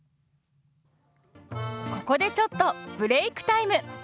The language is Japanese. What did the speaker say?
ここでちょっとブレークタイム。